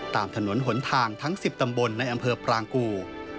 ตามถนนหนทางทั้ง๑๐ตำบลในอำเภอปรางกู